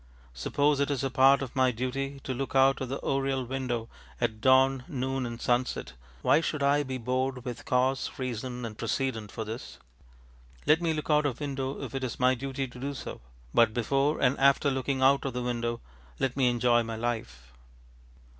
Suppose it is a part of my duty to look out of the oriel window at dawn, noon, and sunset, why should I be bored with cause, reason, and precedent for this? Let me look out of window if it is my duty to do so; but, before and after looking out of the window, let me enjoy my life.